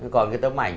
còn cái tấm ảnh